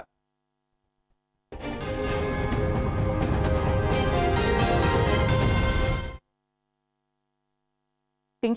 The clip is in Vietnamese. chuyên gia khuyên cáo